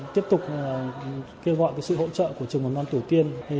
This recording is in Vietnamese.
tiếp tục kêu gọi sự hỗ trợ của trường ngôn ngon tổ tiên